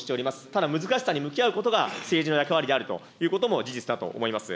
ただ、難しさに向き合うことが政治の役割であるということも事実だと思います。